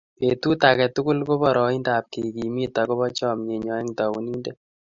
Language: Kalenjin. betut age tugul ko boroindab kekimiit akobo chomienyoo eng taunindet